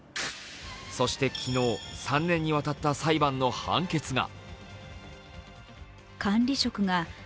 そして昨日、３年にわたった裁判の判決が。